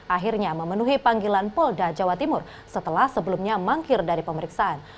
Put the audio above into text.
akhirnya memenuhi panggilan polda jawa timur setelah sebelumnya mangkir dari pemeriksaan